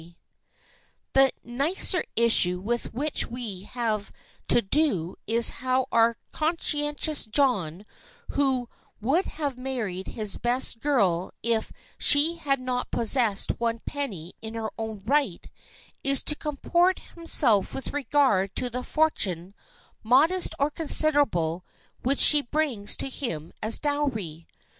[Sidenote: THE BRIDE'S DOWRY] The nicer issue with which we have to do is how our conscientious John, who would have married his best girl if she had not possessed one penny in her own right, is to comport himself with regard to the fortune, modest or considerable, which she brings to him as dowry.